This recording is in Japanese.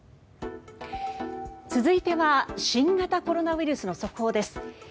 続いては新型コロナウイルスの速報です。